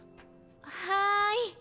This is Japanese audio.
はい。